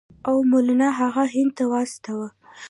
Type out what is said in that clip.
او مولنا هغه هند ته واستاوه.